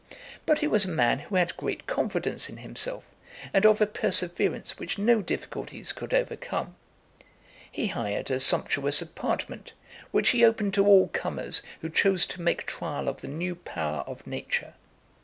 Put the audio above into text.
But he was a man who had great confidence in himself, and of a perseverance which no difficulties could overcome. He hired a sumptuous apartment, which he opened to all comers who chose to make trial of the new power of nature.